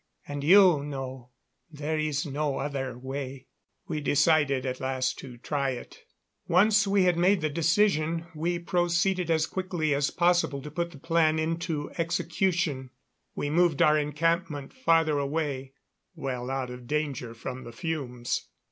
And you know there is no other way." We decided at last to try it. Once we had made the decision, we proceeded as quickly as possible to put the plan into execution. We moved our encampment farther away, well out of danger from the fumes.